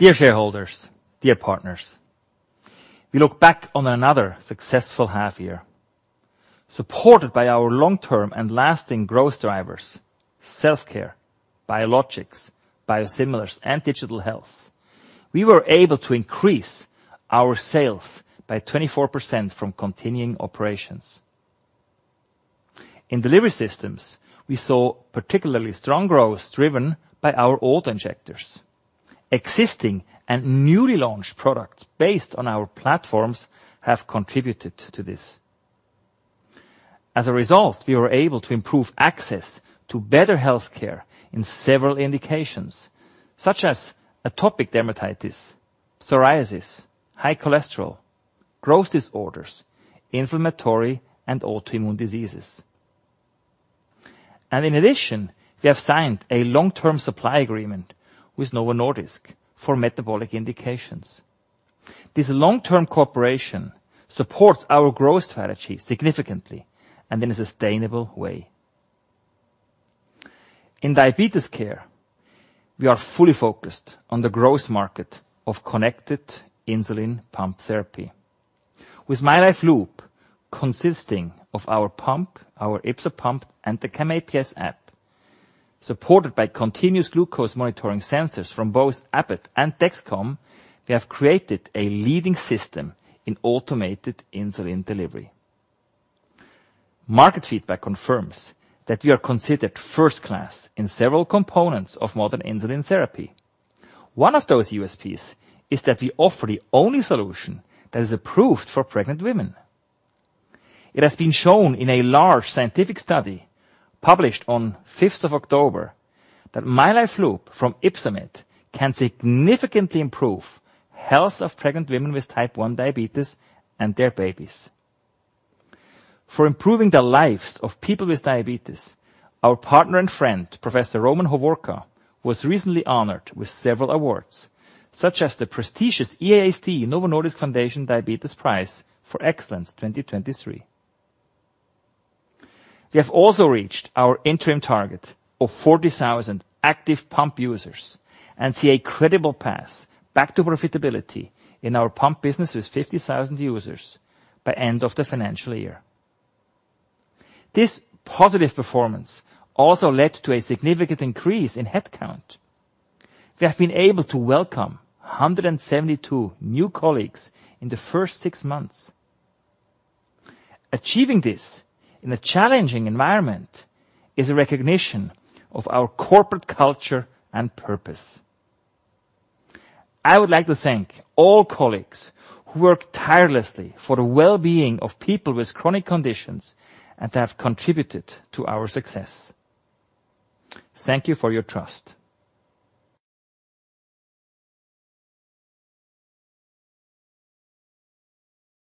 Dear shareholders, dear partners, we look back on another successful half year. Supported by our long-term and lasting growth drivers, self-care, biologics, biosimilars, and digital health, we were able to increase our sales by 24% from continuing operations. In delivery systems, we saw particularly strong growth driven by our autoinjectors. Existing and newly launched products based on our platforms have contributed to this. As a result, we were able to improve access to better health care in several indications, such as atopic dermatitis, psoriasis, high cholesterol, growth disorders, inflammatory and autoimmune diseases. And in addition, we have signed a long-term supply agreement with Novo Nordisk for metabolic indications. This long-term cooperation supports our growth strategy significantly and in a sustainable way. In diabetes care, we are fully focused on the growth market of connected insulin pump therapy. With mylife Loop, consisting of our pump, our YpsoPump, and the CamAPS app, supported by continuous glucose monitoring sensors from both Abbott and Dexcom, we have created a leading system in automated insulin delivery. Market feedback confirms that we are considered first class in several components of modern insulin therapy. One of those USPs is that we offer the only solution that is approved for pregnant women. It has been shown in a large scientific study, published on fifth of October, that mylife Loop from Ypsomed can significantly improve health of pregnant women with type 1 diabetes and their babies. For improving the lives of people with diabetes, our partner and friend, Professor Roman Hovorka, was recently honored with several awards, such as the prestigious EASD–Novo Nordisk Foundation Diabetes Prize for Excellence 2023. We have also reached our interim target of 40,000 active pump users and see a credible path back to profitability in our pump business with 50,000 users by end of the financial year. This positive performance also led to a significant increase in headcount. We have been able to welcome 172 new colleagues in the first six months. Achieving this in a challenging environment is a recognition of our corporate culture and purpose. I would like to thank all colleagues who work tirelessly for the well-being of people with chronic conditions and have contributed to our success. Thank you for your trust!